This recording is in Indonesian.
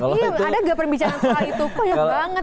ada nggak perbicaraan soal itu banyak banget apa